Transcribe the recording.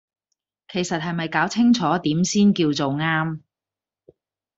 其實係咪攪清楚點先叫做啱